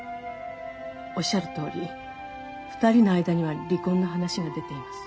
おっしゃるとおり２人の間には離婚の話が出ています。